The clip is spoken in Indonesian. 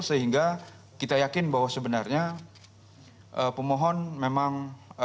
sehingga kita yakin bahwa sebenarnya pemohon memang